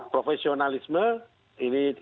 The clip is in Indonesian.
profesionalisme ini orang dianggapnya